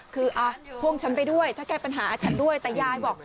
คือพ่วงฉันไปด้วยถ้าแก้ปัญหาฉันด้วยแต่ยายบอก